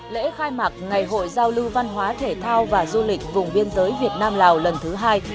lễ khai mạc ngày hội giao lưu văn hóa thể thao và du lịch vùng biên giới việt nam lào lần thứ hai